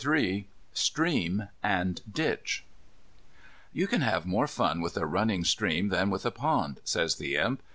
III STREAM AND DITCH "You can have more fun with a running stream than with a pond," says the Imp.